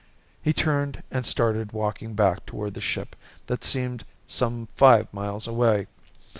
He turned and started walking back toward the ship that seemed some five miles away.